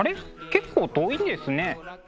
結構遠いんですね。